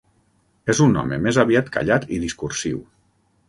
És un home més aviat callat i discursiu.